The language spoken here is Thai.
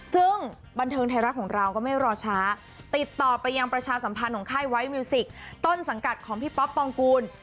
ซึ่งบันเทิงไทยรัฐของเราก็ไม่รอช้าติดต่อไปยังประชาสัมพันธ์ของค่ายไวทมิวสิกต้นสังกัดของพี่ป๊อปปองกูล